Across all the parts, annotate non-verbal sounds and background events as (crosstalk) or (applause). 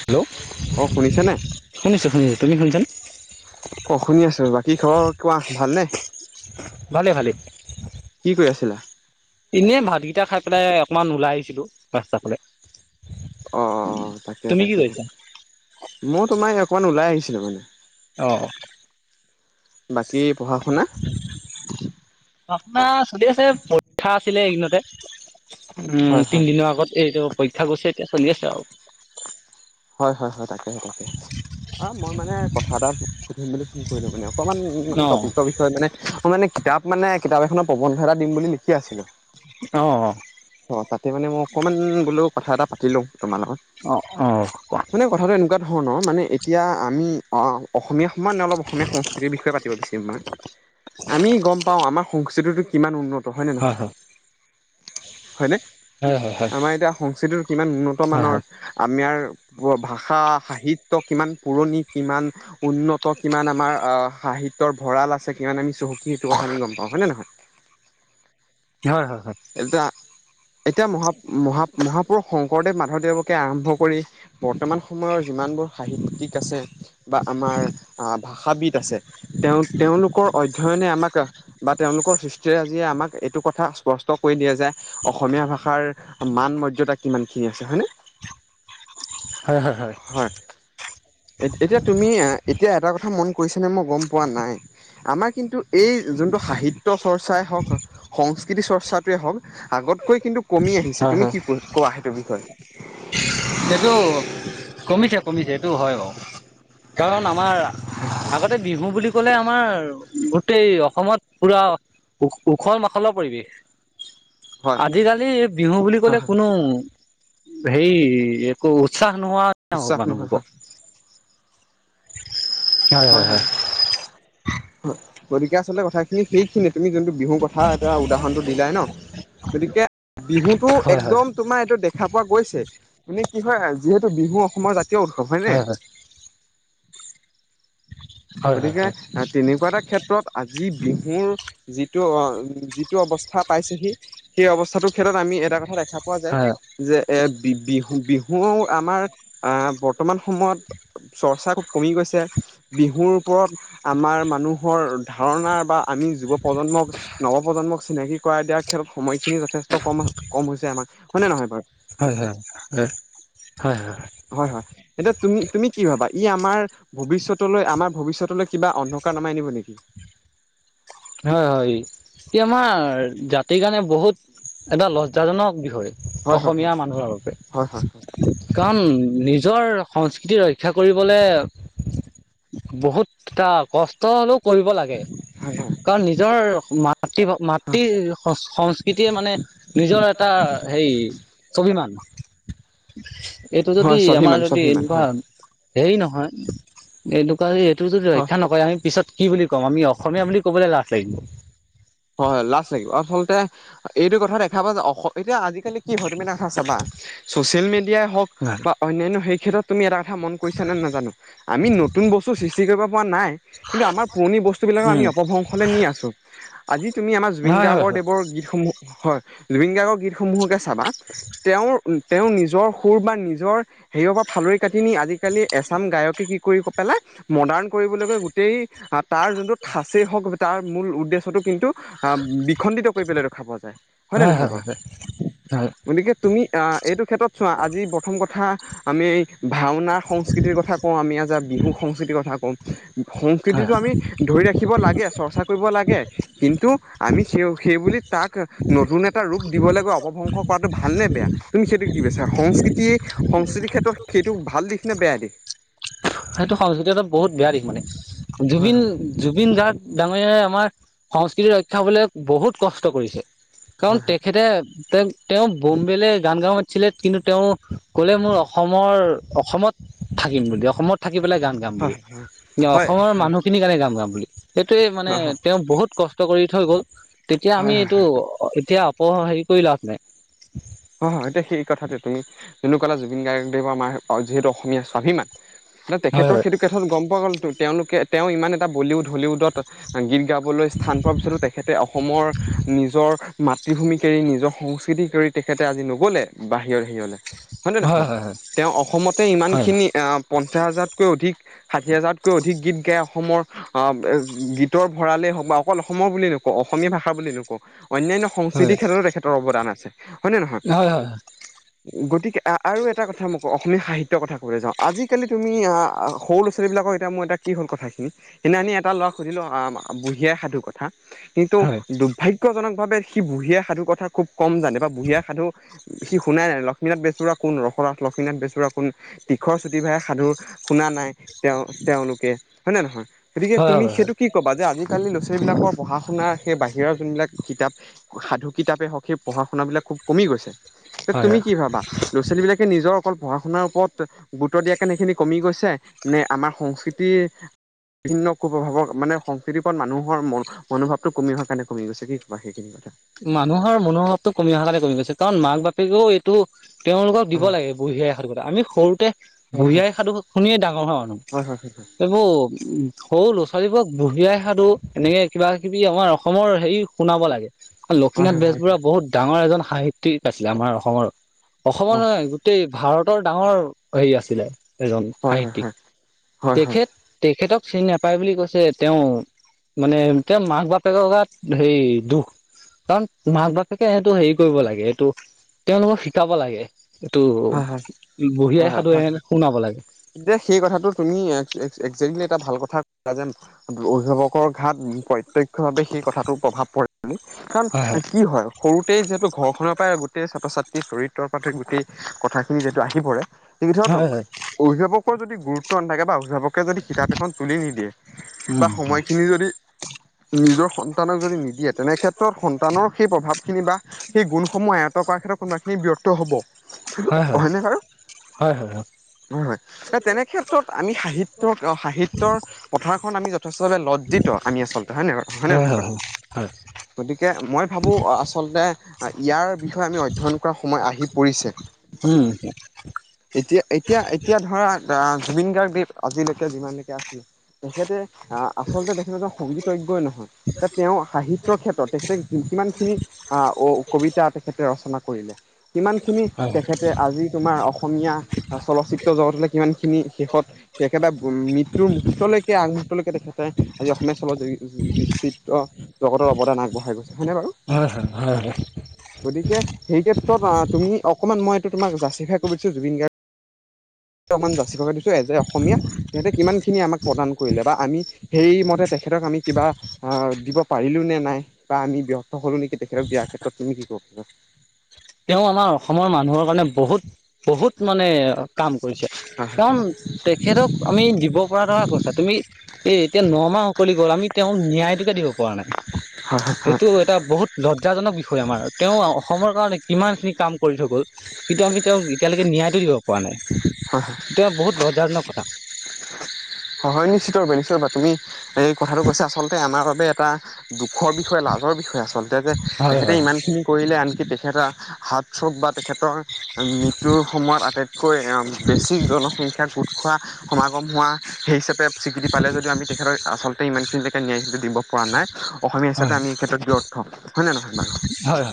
Hello অ শুনিছা নে? শুনিছো শুনিছো তুমি শুনিছা নে অ শুনি আছো বাকী খবৰ কোৱা ভালনে ভালে ভালে কি কৰি আছিলা এনে ভাতকেইটা খাই পেলাই অকমান ওলাই আহিছিলো ৰাস্তাফালে অ অ অ তাকে তাকে ময়ো তোমাৰ অকমান ওলাই আহিছিলো মানে অ বাকী পঢ়া শুনা আপোনাৰ চলি আছে পৰীক্ষা আছিলে এইকিদিনতে হয় উম হয় তিনদিনৰ আগত এইটো পৰীক্ষা গৈছে এতিয়া চলি আছে আৰু হয় হয় হয় তাকেহে তাকেহে। অ মই মানে কথা এটা সুধিম বুলি কৰিলো মানে অকণমান মানে অ টপিকৰ বিষয়ে মানে অ মানে কিতাপ মানে কিতাপ এখনৰ প্ৰবন্ধ এটা দিম বুলি লিখি আছিলো অ তাতে মানে মই অকমান বোলো কথা এটা পাতি লও তোমাৰ লগত অ অ অ কোৱা। মানে কথাটো এনেকোৱা ধৰ ণৰ মানে এতিয়া আমি অ অসমীয়া সমানে অলপ অসমীয়া সংস্কৃতিৰ বিষয়ে পাতিব বিচাৰিম মই আমি গম পাওঁ আমাৰ সংস্কৃতিটো কিমান উন্নত হয়নে হয় নহয় হয়। হয়নে হয় হয় হয়। আমাৰ এতিয়া সংস্কৃতিটো কিমান উন্নত হয় মানৰ হয়। আমাৰ ভাষা সাহিত্য কিমান পুৰণি কিমান উন্নত কিমান আমাৰ আ সা হিত্যৰ ভঁৰাল আছে কিমান আমি চহকী সেইটো কথা আমি গম পাওঁ হয় নে নহয় হয় হয় হয় এতিয়া এতিয়া মহা মহা মহাপুৰুষ শংকৰদেৱ মাধৱদেৱকে আৰম্ভ কৰি বৰ্তমান সময়ৰ যিমান সাহিত্যিক আছে বা আমাৰ ভাষাবিদ আছে তেঁও তেঁওলো লোকৰ অধ্যয়নে আমাক বা তেওঁলোকৰ সৃষ্টিৰাজিয়ে আমাক এইটো কথা স্পষ্ট কৈ দিয়ে যে অসমীয়া ভাষাৰ মান মৰ্যদা কিমানখিনি আছে হয় নে হয় হয় হয় এতিয়া তুমি এতিয়া এটা ক থা মন কৰিছে নে মই গম পোৱা নাই আমাৰ কিন্তু এই যোনটো সাহিত্য চৰ্চাই হওঁক সংস্কৃতি চৰ্চাত টোৱে হওঁক আগতকৈ কিন্তু কমি আহিছে হয় তুমি হয় কি কোৱা সেইটো বিষয়ে এইটো কমিছে কমিছে এইটো হয় বাৰু। কাৰণ আমাৰ আগতে বিহু বুলি ক'লে আমাৰ গোটেই অসমত পুৰা উ উখল মাখলৰ পৰিৱেশ হয়। আজিকালি বিহু বুলি হয় ক'লে হয় কোনো হেৰি ত একো উৎসাহ নোহোৱা হল উচ্চাস নহয় মানুহবোৰৰ হয় হয় হয় গতিকে আচলতে কথাখিনি সেইখিনিয়ে তুমি যোনটো বিহুৰ কথা এতিয়া উদাহৰণটো দিলাই ন গতিকে বিহুতো হয় হয় একদম তোমাৰ এইটো দেখা পোৱা গৈছে মানে কি হয় যিহেতু বিহু অসমৰ জাতীয় উৎসৱ হয় নে। হয় হয় হয় গতিকে তেনেকুৱা এটা ক্ষেত্ৰত আজি বিহুৰ যিটো অ যিটো অৱস্থা পাইছেহি সেই অৱস্থাটোৰ ক্ষেত্ৰত আমি এটা কথা দেখা পোৱা যায় হয় হয় যে এ বি বিহু বিহু আমাৰ আ বৰ্তমান সময়ত চৰ্চা কমি গৈছে। বিহুৰ ওপৰত আমাৰ মানুহৰ ধাৰণা বা আমি যুৱ প্ৰজন্মক নৱপ্ৰজন্ম চিনাকি কৰাই দিয়াৰ ক্ষেত্রত সময়খিনি যথেষ্ট কম কম হৈছে আমাক হয় নে নে নহয় বাৰু হয় হয় হয়। হয় হয় এতিয়া তুমি তুমি কি ভাবা? বা ই আমাৰ ভৱিষ্যতলৈ আমাৰ ভৱিষ্যতলৈ কিবা অন্ধকাৰ নমাই আনিব নেকি? হয় হয় ই আমাৰ জাতিৰ কাৰণে বহুত এটা লজ্জাজনক বিষয়। হয় হয় অসমীয়া মানুহৰ বাবে হয় হয় হয় কাৰণ নিজৰ সংস্কৃতি ৰক্ষা কৰিবলে বহুত এটা কষ্ট হলো কৰিব লাগে। হয় কাৰণ নিজৰ মাতৃ মাতৃ হয় সংস্কৃতিয়ে মানে নিজৰ এটা হে ৰি স্বাভিমান এইটো যদি হয় আমাৰ স্বাভিমান যদি স্বাভিমান এনেকুৱা হয় হেৰি নহয় এইটো কাৰণে এইটো যদি হয় ৰক্ষা নকৰে আমি পিছত কি বুলি ক'ম আমি অসমীয়া বুলি ক'বলৈ লাজ লাগিব। হয় হয় লাজ লাগিব আচলতে এইটো কথা দেখা পা যে অসমিকে আজিকালি কি হয় তুমি এটা কথা চাবা ছচিয়েল মিডিয়াই হওঁক বা অন্যান্য সেই ক্ষেত্ৰত তুমি এটা মন কৰিছা নে নাজানো আমি নতুন বস্তু সৃষ্টি কৰিব পৰা নাই কিন্তু আমাৰ পুৰণি বস্তু বিলাকো আমি উম, অপভংশলৈ নি আছো। আজি তুমি আমাৰ জবিন হয়, হয়, গাৰ্গৰ হয়, দেৱৰ গীতসমূহ হয় জুবিন গাৰ্গৰ গীতসমূহকে চাবা তেওঁৰ তেওঁ নিজৰ সুৰ বা নিজৰ হেৰিৰ পৰা ফালৰি কাটি নি আজিকালি এচাম গায়কে কি কৰিব পাৰে মডাৰ্ণ কৰিবলৈ গোটেই তাৰ যোনটো থাছেই হওক তাৰ মূল উদ্দেশ্য টো আহ বিখণ্ডিত কৰি পেলাই দেখা পোৱা যায় হয় নে নহয় বাৰু হয়, গতিকে তুমি আহ এইটো ক্ষেত্ৰত চোৱা আজি প্ৰথম কথা আমি ভাওনা সংস্কৃতিৰ কথা কওঁ আমি আজ বিহু সংস্কৃতিৰ কথা কওঁ হয়, সংস্কৃতিটো আমি ধৰি ৰাখিব লাগে চৰ্চা কৰিব লাগে কিন্তু আমি সেই সেইবুলি তাক নতুন এটা ৰূপ দিবলৈ গৈ অপভংস কৰাটো ভালনে বেয়া তুমি সেইটো কি বিছাৰা সংস্কৃতিয় সংস্কৃতিৰ ক্ষেত্ৰত সেইটো ভাল দিশ নে বেয়া দিশ সেইটো সংস্কৃতি এটা বহুত বেয়া দিশ মানে হয় জুবিন হয় জুবিন যাক ডাঙৰীয়াই আমাৰ সংস্কৃতি ৰক্ষাবলে বহুত কষ্ট কৰিছে। কাৰণ তেখেতে তেওঁ তেওঁ বোম্বেলে গান গাৱ মাত- ছিলে কিন্তু তেওঁ ক'লে মোৰ অসমৰ অসমত থাকিম বুলি অসমত কি পেলাই গান গাম হয় বুলি এ হয় অসমৰ হয় হয় মানুহখিনিৰ কাৰণে গান গাম বুলি সেইটোৱে মানে হয় হয় হয় হয় হয় তেওঁ বহুত কষ্ট কৰি থৈ গ'ল। তেতিয়া হয় আমি হয় হয় এইটো হয় এতিয়া অপ হেৰি কৰি লাভ নাই হয় হয় এতিয়া সেই কথাটো তুমি যোনটো ক'লা জুবিন গাৰ্গদেৱৰ আমাৰ যিহেতু অসমীয়া স্বাভিমান মানে তেখেতৰ হয় সেইটো কথা গম পোৱা গ'ল তেওঁলোকে তেওঁ ইমান এটা বলিউড হলিউডত গীত গা- বলৈ স্থান পোৱাৰ পিছতো তেখেতে অসমৰ নিজৰ মাতৃভূমিক এৰি নিজৰ সংস্কৃতি এৰি তেখেতে আজি নগ'লে বাহিৰৰ সেৰিয়লে হয়ে নহয় হয় নহয় তেওঁ অসমতে হয় ইমানখিনি পঞ্চাছ হাজাৰতকৈ অধিক ষাঠি হাজাৰতকৈ অধিক গীত গায়। অসমৰ আহ গীতৰ ভৰালেই হওক বা অকল অসমৰ বুলি নকওঁ অসমীয়া ভাষা বুলি নকওঁ অন্যান্য হয় সংস্কৃতিৰ ক্ষেত্ৰতো তেখেতৰ অৱদান আছে। হয় নে নহয় হয় গতিকে আৰু এটা কথা মোক অসমীয়া সাহিত্য কথা কব যাওঁ আজিকালি তুমি সৰু ল'ৰা ছোৱালীবিলাকৰ এতিয়া মই এটা কি হ'ল কথাখিনি সেইদিনা আমি এটা লৰা সুধিলো আ বুঢ়ী আই সাধু কথা কিন্তু হয় হয় হয় হয় দুৰ্ভাগ্যজনক ভাবে সি বুঢ়ী আই সাধুৰ কথা খুব কম জানে বা বুঢ়ী আই সাধু সি শুনাই নাই লক্ষ্মীনাথ বেজ বৰুৱা কোন, ৰসনাথ লক্ষ্মীনাথ বেজ বৰুৱা কোন তীখৰ চুটি ভাই সাধু শুনা নাই তেওঁ তেওঁলোকে হয় নে নহয়? গতিকে হয় হয় তুমি সেইটো হয়। কি ক'বা যে আজিকালি লৰা- ছোৱালী বিলাকৰ পঢ়া- শুনা সেই বাহিৰৰ যোনবিলাক কিতাপ সাধু কিতাপে হওক সেই পঢ়া- শুনা বিলাক ক কমি গৈছে? তুমি হয়। কি ভাবা লৰা -ছোৱালী বিলাকে নিজৰ অকল পঢ়া শুনাৰ ওপৰত গুৰুত্ব দিয়াৰ কাৰণে সেইখিনি কমি গৈছে নে আমাৰ সংস্কৃতি বিভিন্ন কুপভাৱৰ মানে সংস্কৃতিৰ ওপৰত মানুহৰ মন মনোভাৱটো কমি অহা কাৰণে কমি গৈছে কি ক সেইখিনি কথা। মানুহৰ মনোভাৱটো কমি অহালে কমি গৈছে কাৰণ মাক বাপেকেও এইটো তেওঁলোকক অ দিব লাগে বুঢ়ী আই সাধু কথা। আমি সৰুতে হয় বুঢ়ী আই সাধু শুনিয়ে ডাঙৰ হয়। এইবোৰ সৰু ল'ৰা- ছোৱালীবোৰক বুঢ়ি আই সাধু এনেকে কিবা কিবি আমাৰ অসমৰ হেৰি শুনাব লাগে। লক্ষ্মীনাথ হয় হয় হয় বেজবৰুৱা বহুত ডাঙৰ এজন সাহিত্যিক আছিলে আমাৰ অসমৰ। অ অসমৰ নহয় গোটেই ভাৰতৰ ডাঙৰ হেৰি আছিলে। এজন হয় হয় হয় সাহিত্যিক, হয় হয় হয় হয় তেখেত তেখেতক চিনি নাপায় বুলি কৈছে তেওঁ মানে তেওঁ মাক বাপেক গাত হেৰি দুখ কাৰণ মাক বাপেকে এইটো হেৰি কৰিব লাগে এইটো তেওঁলোকক শিকাব লাগে। এইটো হয় হয় হয় বুঢ়ি আই সাধু শুনাব লাগে। দে সেই কথাটো তুমি এ একজেকলি এটা ভাল কথা কলা যে অভিভাৱকৰ ঘাট প্ৰত্যক্ষ ভাৱে সেই কথাটো প্ৰভাৱ পৰে। কাৰণ হয় কি হয় সৰুতেই যিহেতু ঘৰখনৰ পৰাই গোটেই ছাত্ৰ ছাত্ৰী দ্ৰৰিদ্ৰৰ পাৰি গোটেই কথাখিনি যিহেটো আহি পৰে, সেই হয় হয় ধৰক হয় অভিভাৱকৰ যদি গুৰুত্ব নাথাকে বা অভিভাৱক যদি কিতাপ এখন তুলি নিদিয়ে বা উম সময়খিনি যদি নিজৰ সন্তানক যদি নিদিয়ে তেনে ক্ষেত্ৰত সন্তানৰ সেই প্ৰভাৱ খিনি বা সেই গুণসমূহ আয়তৰ কৰাৰ ক্ষেত্ৰত কোনোবাখিনি ব্যৰ্থ হব। হয় হয়, হয়নে বাৰু হয় হয়। হয় হয় তেনে ক্ষেত্ৰত আমি সাহিত্য সাহিত্যৰ পথাৰখন আমি যথেষ্টভাৱে লজ্জি ত আমি আচলতে হয় ন হয় ন নহয়? গতিকে মই ভাবো আচলতে ইয়াৰ বিষয়ে আমি অধ্যয়ন কৰা সময় আহি পৰিছে। উম এতিয়া এতিয়া এতিয়া ধৰা আ জুবিন গাৰ্গ আজিলৈকে যিমানলৈকে আছিল তেখেতে আ আচলতে তেখেত এজন সংগীতজ্ঞই নহয়, যে তেওঁ সাহিত্যৰ ক্ষেত্ৰত তেখেতে কিমানখিনি আ ঔ কবিতা তেখেতে ৰচনা কৰিলে, সিমানখিনি হয় তেখেতে আজি তোমাৰ অসমীয়া চলচ্চিত্ৰ জগতলৈ কিমানখিনি শেষত একেবাৰে মৃ টোৰ মুহূৰ্তলৈকে আগমহূৰ্তলৈকে তেখেতে আজি অসমীয়া চলচিত্ৰ জগতৰ অৱদান আগবঢ়াই গৈছে। হয়নে বাৰু হয় হয় হয় হয় গতিকে সেই ক্ষেত্ৰত তুমি অকণমান মই এইটো তোমাক জাষ্টিফাই কৰি দিছোঁ জুবিন গাৰ্গ জাষ্টিফাই দিছো এজ এ অসমীয়া তেহেঁতে কিমানখিনি আমাক প্ৰদান কৰিলে বা আমি সেইমতে তেখেতক আমি কিবা আ দিব পাৰিলো নে নাই বা আমি ব্য সকলো নেকি তেখেতক দিয়াৰ ক্ষেত্ৰত তুমি কি কব? তেওঁ আমাৰ অসমৰ মানুহৰ কাৰণে বহুত বহুত মানে কাম কৰিছে হয় কাৰণ তেখেতক আমি দিব পৰা কথা কৈছা তুমি এ এতিয়া ন মাহ উকলি গ'ল আমি তেওঁক ন্যায়টোকে দিব পৰা নাই। হয় সেইটো এটা বহুত লজ্জাজনক বিষয় আমাৰ তেওঁ অসমৰ কাৰণে কিমানখিনি কাম কৰি থৈ গ'ল কিন্তু আমি তেওঁক এতিয়ালৈকে ন্যায়টো দিব পৰা নাই। হয় এতিয়া বহুত লজ্জাজনক কথা। হয় নিশ্চিত ৰূপে নিশ্চিত ৰূপে তুমি এই কথাটো কৈছে আচলতে আমাৰ বাবে এটা দুখৰ বিষয়ে, লাজৰ বিষয়ে আচলতে যে হয় তেখেতে হয় ইমান খিনি কৰিলে আনকি তেখেতে হাৰ্থথ্ৰব বা তেখেতৰ মৃত্যুৰ সময়ত আটাইতকৈ বেছি জনসংখ্যা গোট খোৱা সমাগম হোৱা সেই হিচাপে স্বীকৃতি পালে যদি আমি তেখেতক আচলতে ইমান খিনিলৈকে ন্যায় দিব পৰা নাই অসমীয়া হিচাপে আমি এই ক্ষেত্ৰত ব্যৰ্থ হয় নে নহয় বাৰু হয় হয় হয়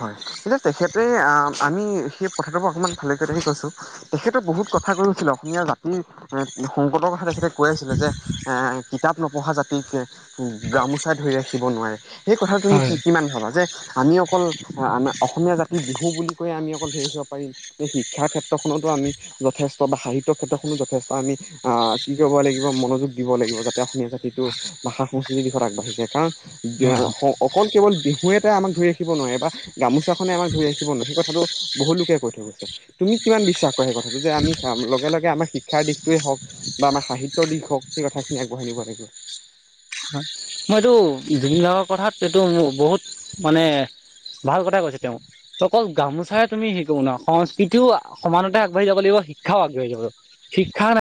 হয় এতিয়া তেখেতে আ আমি সেই প্ৰথাটোৰ পৰা অকণমান ভালেকৈ ৰাখি কৈছো তেখেতৰ বহুত কথা কৈছিলে অসমীয়া জাতিৰ সংকটৰ কথা তেখেতে কৈ আছিলে যে এ কিতাপ নপঢ়া জাতিক গামোচা ধৰি ৰাখিব নোৱাৰে সেই কথা তুমি কি হয় কিমান ভাবা যে আমি অকল আমাৰ অসমীয়া জাতি বিহু বুলি কৈয়ে আমি অকল ধৰি ৰাখিব পাৰিম যে শিক্ষাৰ ক্ষেত্ৰখনতো আমি যথেষ্ট বা সাহিত্যৰ ক্ষেত্ৰখনো যথেষ্ট আমি কি কৰিব লাগিব মনোযোগ দিব লাগিব যাতে অসমীয়া জাতিটোৰ ভাষা সংস্কৃতিৰ দিশত আগবাঢ়ি যায় কাৰণ যে হয় অকল কেৱল বিহু এটাই আমাক ধৰি ৰাখিব নোৱাৰে বা গামোচাখনে আমাক ধৰি ৰাখিব নোৱাৰে সেই কথাটো বহু লোকে কৈ থৈ গৈছে তুমি কিমান বিশ্বাস কৰা সেই কথাটো যে আমি লগে লগে আমাৰ শিক্ষাৰ দিশটোৱে হওক বা আমাৰ সাহিত্যৰ দিশ হওক সেই কথাখিনি আগবঢ়াই নিব লাগিব হয় মই এইটো জুবিন গাৰ্গৰ কথাত এইটো বহুত মানে ভাল কথাাই কৈছে তেওঁ অকল গামোচাৰে তুমি হে কৰো ন সংস্কৃতিও সমানতে আগবাঢ়ি যাব লাগিব। শিক্ষাও আগ বাঢ়ি যাব শিক্ষা নাই।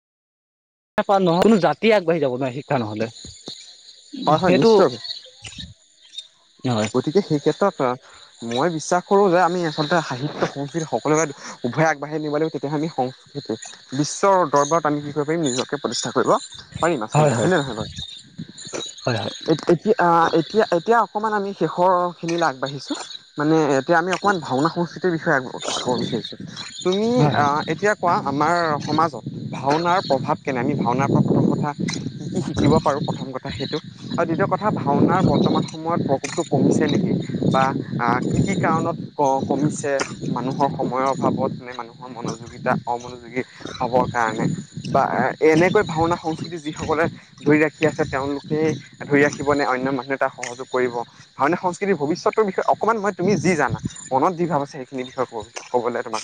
পা নহয় কোনো জাতি আগবাঢ়ি যাব নোৱাৰে শিক্ষা নহলে। হয় হয় সেইটো। নিশ্চয় হয় গতিকে সেই ক্ষেত্ৰত। মই বিশ্বাস কৰো যে আমি আচলতে সাহিত্য সংস্কৃতি সকলো উভয়ে আগবাঢ়ি নিব লাগিব তেতিয়াহলে। সংস্কৃতি বিশ্বৰ দৰবাৰত আমি কি কৰিব পাৰিম নিজকে প্ৰতিষ্ঠা কৰিব পাৰিম হয় আচলতে হয় হয়নেে নহয় বাৰু হয় হয় এতিয়া এতিয়া এতিয়া অকমান আমি শেষৰ খিনিলৈ আগবাঢ়িছো। মানে এতিয়া আমি অকণমান ভাওনা সংস্কৃতিৰ বিষয়েব বিচাৰিছো তুমি হয় অ হয় এতিয়া কোৱা আমাৰ সমাজত ভাওনাৰ প্ৰভাৱ কেনে আমি ভাওনাৰ পৰা প্ৰথম কথা কি কি শিকিব পাৰোঁ প্ৰথম দ্বিতীয় কথা ভাওনা বৰ্তমান সময়ত কবটো কমিছে নেকি বা কি কি কাৰণত কমিছে মানুহৰ সময়ৰ ভাৱত মে মানুহৰ মনোযোগিতা অমনোযোগী ভাৱৰ কাৰণে বা এনেকৈ ভাওনা সংস্কৃতি যিসকলে ধৰি ৰাখি আছে তেওঁলোকেই ধৰি ৰাখিবনে অন্য মানুহে তাক সহযোগ কৰিব ভাওনীয় সংস্কৃতিৰ ভবিষ্যত বিষয়ে অকমান মই তুমি জানা মনত যি ভাবিছা আ সেইখিন বিষয়ে কোৱা।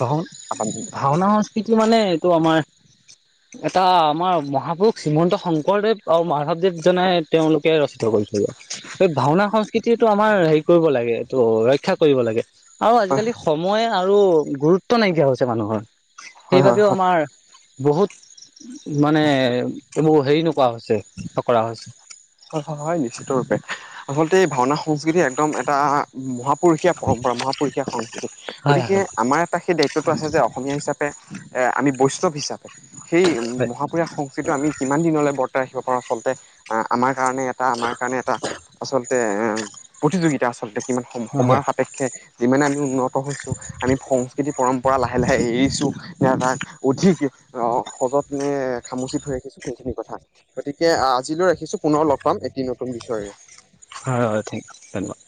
হয় ভাওনা সংস্কৃতি মানে এইটো আমাৰ (unintelligible) এটা আমাৰ মহাপুৰুষ শ্ৰীমন্ত শংকৰদেৱ আৰু মাধৱদেৱ জনে তেওঁলোকে ৰচিত কৰিছে সেই ভাওনা সংস্কৃতিটো আমাৰ হেৰি কৰিব লাগে এইটো ৰক্ষা কৰিব লাগে আৰু হয় আজিকালি সময় আৰু গুৰুত্ব নাইকিয়া হৈছে মানুহৰ হয় হয় সেইবাবেও আমাৰ বহুত মানে এইবোৰ হেৰি নকোৱা হৈছে কৰা হৈছে হয় নিশ্চিত ৰূপে আচলতে এই ভাওনা সংস্কৃতি একদম এটা মহান পুৰুষীয়া পৰম্পৰা মহাপুৰুষীয়া সংস্কৃতি হয় গতিকে হয় আমাৰ এটা সেই দায়িত্বতটো আছে যে অসমীয়া হিচাপে। আমি বৈষ্ণৱ হিচাপে সেই মহাপুুৰ সংস্কৃতিটো আমি কিমান দিনলৈ বৰ্তাই ৰাখিব পাৰো আচলতে আমাৰ কাৰণে এটা আমাৰ কাৰণে এটা আচলতে এ প্ৰতিযোগিতাত এতিয়া আচলতে কিমান সম সময়ৰ হয় সাপেক্ষে। যিমানে আমি উন্নত হৈছোঁ আমি সংস্কৃতি পৰম্পৰা লাহে লাহে এৰিছোঁ তাক অধিক। সজত মে খামুচি থৈ ৰাখিছো সেইখিনি কথা গতিকে আজিলৈ ৰাখিছো। পুনৰ লগ পাম এটি নতুন বিষয়ৰে। হয় হয় ঠিক ধন্যবাদ।